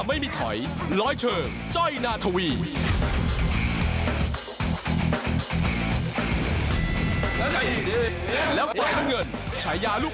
บุกไม่เกรงอาวุธโอเล่ซิดนี่วัน